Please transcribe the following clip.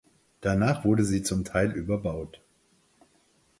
Danach wurde sie zum Teil überbaut.